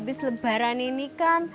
abis lebaran ini kan